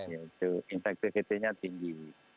itu infektivitenya tinggi